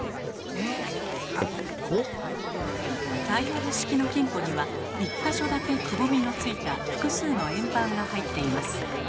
ダイヤル式の金庫には１か所だけくぼみのついた複数の円盤が入っています。